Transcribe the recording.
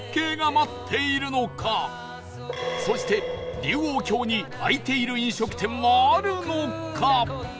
そして龍王峡に開いている飲食店はあるのか？